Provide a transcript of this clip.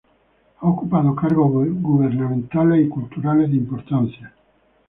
Ha ocupado cargos gubernamentales y culturales de importancia.